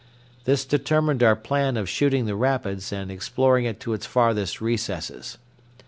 This determined our plan of shooting the rapids and exploring it to its farthest recesses.